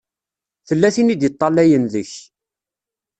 Tella tin i d-iṭṭalayen deg-k.